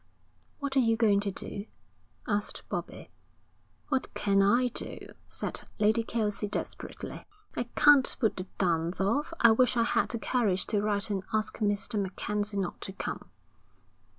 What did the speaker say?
'What are you going to do?' asked Bobbie. 'What can I do?' said Lady Kelsey desperately. 'I can't put the dance off. I wish I had the courage to write and ask Mr. MacKenzie not to come.'